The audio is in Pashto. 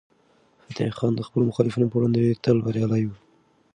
فتح خان د خپلو مخالفینو په وړاندې تل بریالی و.